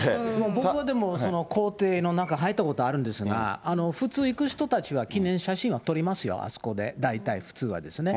僕はでも、公邸の中、入ったことあるんですが、普通、行く人たちは記念写真は撮りますよ、あそこで、大体普通はですね。